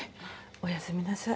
おやすみなさい。